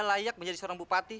ah apa ini pak